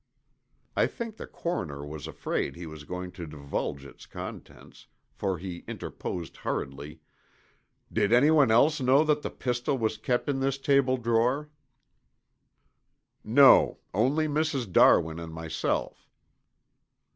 I think the coroner was afraid he was going to divulge its contents, for he interposed hurriedly, "Did anyone else know that the pistol was kept in this table drawer?" "No, only Mrs. Darwin and myself."